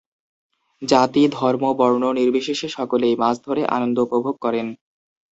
জাতি-ধর্ম-বর্ণ নির্বিশেষে সকলেই মাছ ধরে আনন্দ উপভোগ করেন।